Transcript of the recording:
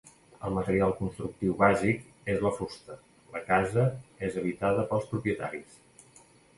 El material constructiu bàsic és la fusta, la casa és habitada pels propietaris.